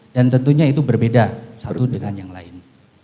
dan tentunya itu berbeda satu dengan yang lain